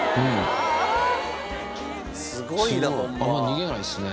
すごいあんま逃げないですね